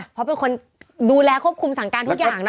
เพราะเป็นคนดูแลครอบคลุมสารการทุกอย่าง